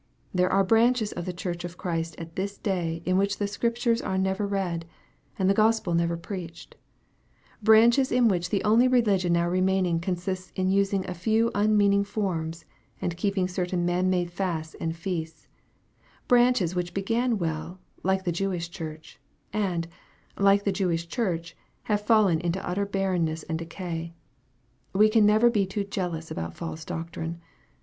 There are branches of the Church of Christ at this day in which the Scrip tures are never read, and the Gospel never preached branches in which the only religion now remaining con sists in using a few unmeaning forms and keeping certain man made fasts and feasts branches which began well, like the Jewish church, and, like the Jewish church, have now fallen into utter barrenness and decay., We can never be too jealous about false doctrine.